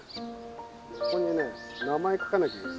ここにね名前書かなきゃいけない。